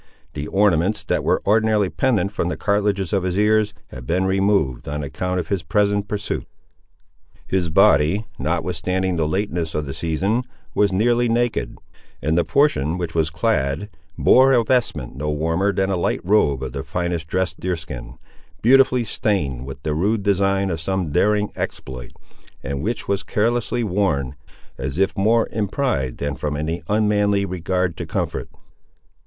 The ornaments that were ordinarily pendant from the cartilages of his ears had been removed, on account of his present pursuit. His body, notwithstanding the lateness of the season, was nearly naked, and the portion which was clad bore a vestment no warmer than a light robe of the finest dressed deer skin, beautifully stained with the rude design of some daring exploit, and which was carelessly worn, as if more in pride than from any unmanly regard to comfort.